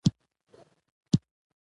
سور تورو غمونو کی د حسن او رڼا رنګ